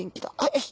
よし。